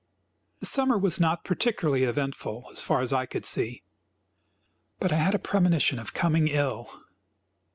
The summer was not particularly eventful, so far as I could see, but I had a premonition of coming ill.